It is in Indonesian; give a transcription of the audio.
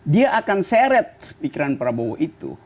dia akan seret pikiran prabowo itu